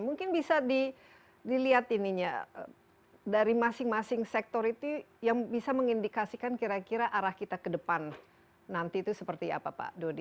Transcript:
mungkin bisa dilihat ininya dari masing masing sektor itu yang bisa mengindikasikan kira kira arah kita ke depan nanti itu seperti apa pak dodi